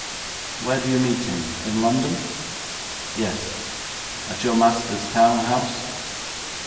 'Where do you meet him? In London?' 'Yes.' 'At your master's town house?'